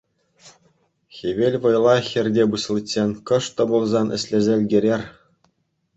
Хӗвел вӑйлах хӗрте пуҫличчен кӑшт та пулсан ӗҫлесе ӗлкӗрер.